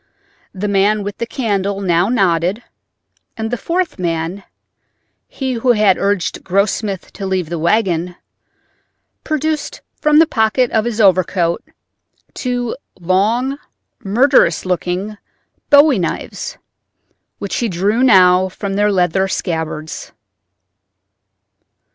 The man with the candle now nodded, and the fourth man—he who had urged Grossmith to leave the wagon—produced from the pocket of his overcoat two long, murderous looking bowie knives, which he drew now from their leather scabbards.